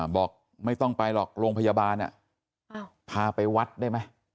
บอกไม่ต้องไปหรอกโรงพยาบาลพาไปวัดได้ไหม